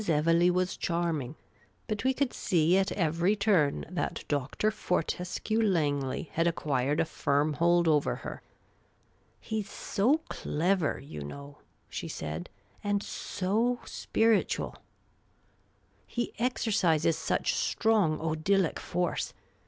Evelegh was charming ; but we could see at every turn that Dr. Fortescue Langley had acquired a firm hold over her. " He 's so clever, you know," she said; io8 Miss Cayley's Adventures " and ^^ spiritual ! He exercises such strong odylic foice.